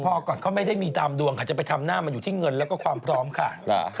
พอก่อนเขาไม่ได้มีตามดวงค่ะจะไปทำหน้ามันอยู่ที่เงินแล้วก็ความพร้อมค่ะ